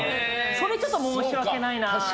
それちょっと申し訳ないなって。